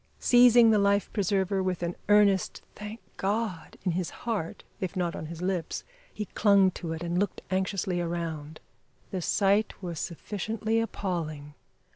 Seizing the life preserver with an earnest "thank God" in his heart if not on his lips, he clung to it and looked anxiously around. The sight was sufficiently appalling.